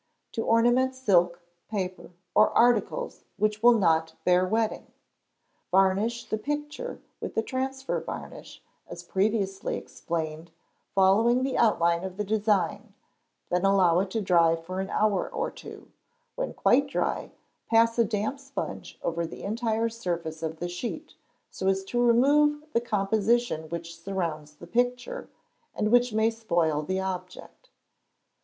To ornament Silk, Paper, or Articles which will not bear wetting. Varnish the picture with the transfer varnish, as previously explained, following the outline of the design, then allow it to dry for an hour or two; when quite dry, pass a damp sponge over the entire surface of the sheet, so as to remove the composition which surrounds the picture, and which may spoil the object.